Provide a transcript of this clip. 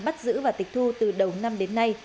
bắt giữ và tịch thu từ đầu năm đến nay